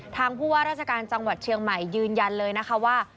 ผู้ว่าราชการจังหวัดเชียงใหม่ยืนยันเลยนะคะว่า